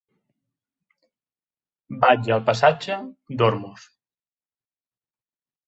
Vaig al passatge d'Ormuz.